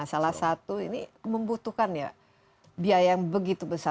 salah satu ini membutuhkan ya biaya yang begitu besar